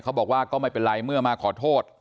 เขาบอกว่าก็ไม่เป็นไรเมื่อมาขอโทษ